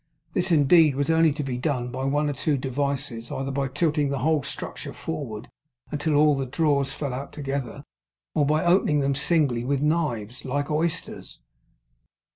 This indeed was only to be done by one or two devices; either by tilting the whole structure forward until all the drawers fell out together, or by opening them singly with knives, like oysters.